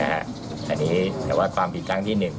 อันนี้แต่ว่าความผิดครั้งที่๑